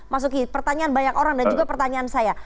mas uki pertanyaan banyak orang dan juga pertanyaan saya